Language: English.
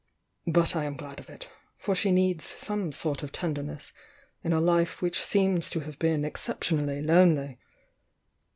— but I am glad of it, for she needs some sort of tenderness in a life which seems to have been excep tionally lonely.